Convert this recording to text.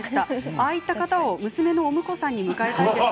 ああいう方を娘のお婿さんに迎えたいです。